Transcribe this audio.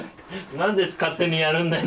何で勝手にやるんだよ。